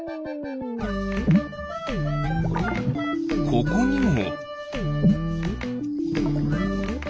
ここにも。